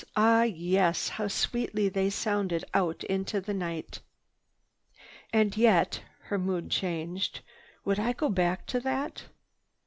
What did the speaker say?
Ah yes, how sweetly they sounded out into the night! "And yet—" her mood changed. "Would I go back to that?